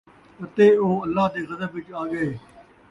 اَتے او اللہ دے غضب وِچ آڳئے،